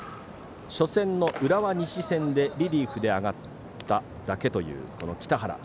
初戦の浦和西戦でリリーフで上がっただけというこの北原。